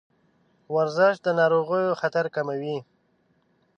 ورزش د ناروغیو خطر کموي.